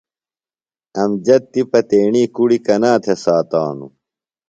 امجد تِپہ تیݨی کُڑی کنا تھےۡ ساتانوۡ؟